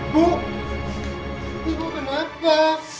bu ibu kenapa